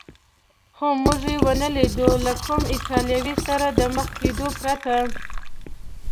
خو موږ یې و نه لیدو، له کوم ایټالوي سره د مخ کېدو پرته.